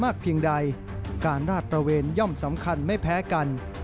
เพียงใดการราดตระเวนย่อมสำคัญไม่แพ้กัน